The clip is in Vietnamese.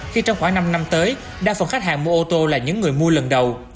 khi trong khoảng năm năm tới đa phần khách hàng mua ô tô là những người mua lần đầu